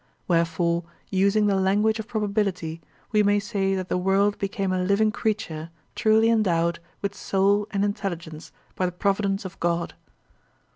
Wherefore, using the language of probability, we may say that the world became a living creature truly endowed with soul and intelligence by the providence of God.